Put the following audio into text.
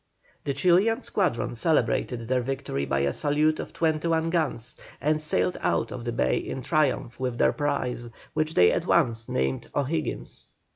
The Chilian squadron celebrated their victory by a salute of twenty one guns, and sailed out of the bay in triumph with their prize, which they at once named the O'Higgins.